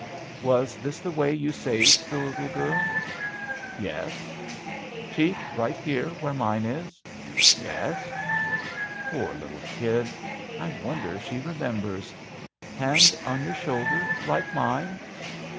"Was this the way you saved the little girl?" "Yes." "Cheek right here, where mine is?" "Yes." "Poor little kid I I wonder if she remem bers ! Hand on your shoulder, like mine ?" "Yes."